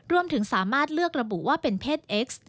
รวมถึงสามารถเลือกระบุว่าเป็นเพศเอ็กซ์